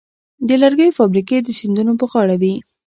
د لرګیو فابریکې د سیندونو په غاړه وې.